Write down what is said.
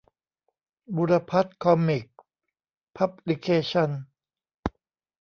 บุรพัฒน์ คอมิคส์ พับลิเคชันส์